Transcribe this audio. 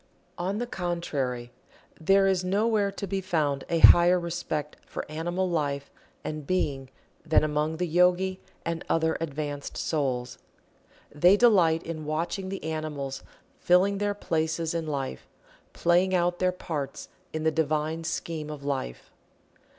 On the contrary, there is nowhere to be found a higher respect for animal life and being than among the Yogi and other advanced souls. They delight in watching the animals filling their places in life playing out their parts in the divine scheme of life.